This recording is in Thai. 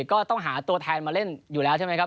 ก็ต้องหาตัวแทนมาเล่นอยู่แล้วใช่ไหมครับ